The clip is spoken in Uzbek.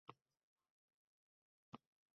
Va buning ham shartlari bor.